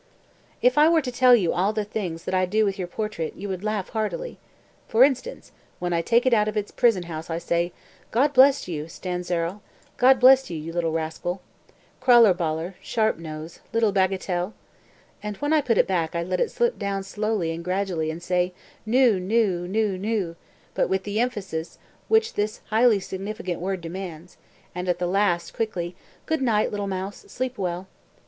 196. "If I were to tell you all the things that I do with your portrait, you would laugh heartily. For instance when I take it out of its prison house I say 'God bless you, Stanzerl! God bless you, you little rascal, Krallerballer Sharpnose little Bagatelle!' And when I put it back I let it slip down slowly and gradually and say 'Nu, Nu, Nu, Nu;' but with the emphasis which this highly significant word demands, and at the last, quickly: 'Good night, little Mouse, sleep well!'